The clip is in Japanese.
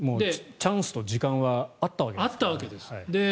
チャンスと時間はあったわけです。